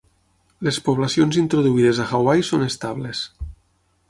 Les poblacions introduïdes a Hawaii són estables.